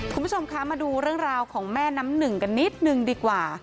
คุณผู้ชมคะมาดูเรื่องราวของแม่น้ำหนึ่งกันนิดนึงดีกว่า